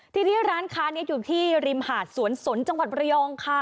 ทีนี้ร้านค้านี้อยู่ที่ริมหาดสวนสนจังหวัดระยองค่ะ